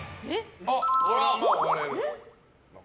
これはまあ、割れる。